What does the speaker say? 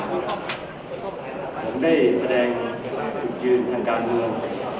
ผมได้แสดงมาถึงยืนทางการง่วง